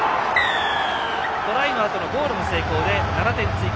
トライのあとのゴールも成功で７点追加。